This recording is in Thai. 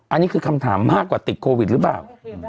อันนี้คือคำถามมากกว่าติดโควิดหรือเปล่า